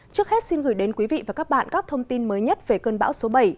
trước hết xin gửi đến quý vị và các bạn các thông tin mới nhất về cơn bão số bảy